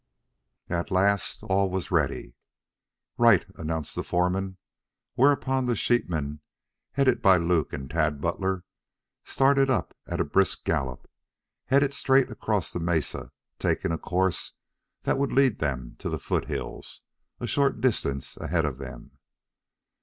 At last all was ready. "Right!" announced the foreman, whereupon the sheepmen, headed by Luke and Tad Butler, started up at a brisk gallop, headed straight across the mesa, taking a course that would lead them to the foothills, a short distance ahead of them.